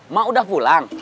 mak udah pulang